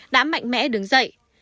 đã mạnh mẽ đứng dậy